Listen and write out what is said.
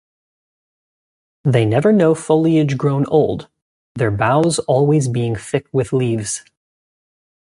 They never know foliage grown old, their boughs always being thick with leaves.